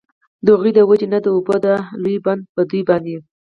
د هغوی د وجي نه د اوبو دا لوی بند په دوی باندي